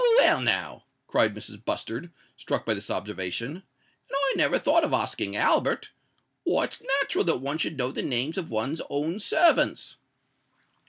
"Well, now!" cried Mrs. Bustard, struck by this observation; "and I never thought of asking Albert! Why, it's nat'ral that one should know the names of one's own servants."